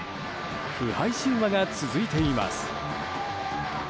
不敗神話が続いています。